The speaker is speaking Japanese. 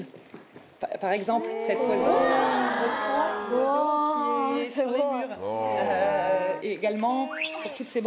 うわすごい。